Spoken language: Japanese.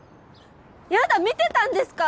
やだ見てたんですか？